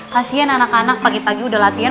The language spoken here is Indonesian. kasian anak anak pagi pagi udah latihan